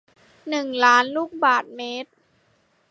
หนึ่งล้าน ลูกบาศก์เมตร